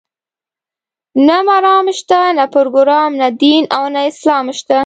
نه مرام شته، نه پروګرام، نه دین او نه اسلام شته.